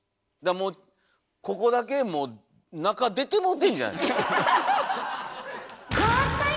ここだけもう中出てもうてんじゃないですか？